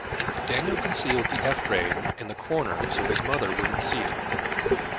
Daniel concealed the F grade in the corner so his mother wouldn't see it.